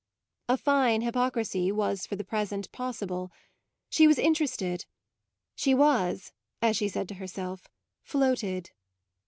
A fine hypocrisy was for the present possible; she was interested; she was, as she said to herself, floated.